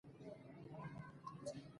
ملت موجود دی او د ملت شعور دا فيصله کړې ده.